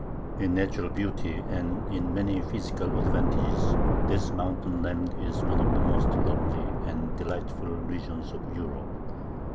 In natural beauty, and in many physical advantages, this mountain land is one of the most lovely and delightful regions of Europe.